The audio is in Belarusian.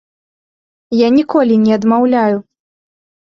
Я ніколі не адмаўляю.